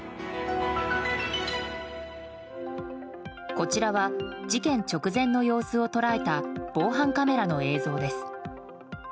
こちらは事件直前の様子を捉えた防犯カメラの映像です。